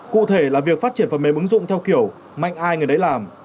cụ thể là việc phát triển phần mềm ứng dụng theo kiểu mạnh ai người đấy làm